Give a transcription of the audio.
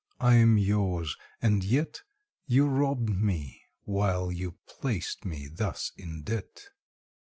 I am yours: and yet You robbed me while you placed me thus in debt.